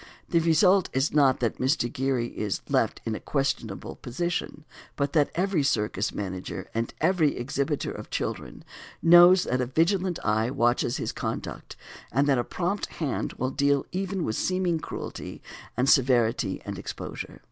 The result is not that Mr. Gerry is "left in a questionable position," but that every circus manager and every exhibitor of children knows that a vigilant eye watches his conduct, and that a prompt hand will deal even with seeming cruelty and severity and exposure.